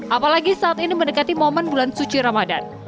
apalagi saat ini mendekati momen bulan suci ramadan